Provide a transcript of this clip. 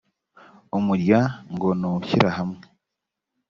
umurya ngo nushyirahamwe.